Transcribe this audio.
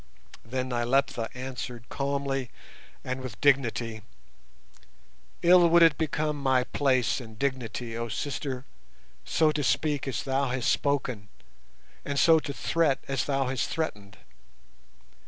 Then Nyleptha answered calmly and with dignity: "Ill would it become my place and dignity, oh sister, so to speak as thou hast spoken and so to threat as thou hast threatened.